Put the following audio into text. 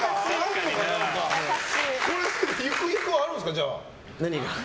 ゆくゆくはあるんですか？